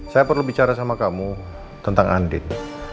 saya perlu bicara sama kamu tentang andin